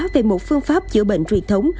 về một phương pháp chữa bệnh truyền thống